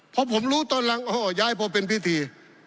เพราะผมรู้ตอนหลังโอ้โหย้ายพอเป็นพิธี